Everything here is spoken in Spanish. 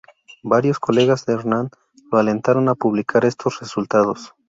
Varios colegas de Hermann lo alentaron a publicar estos resultados.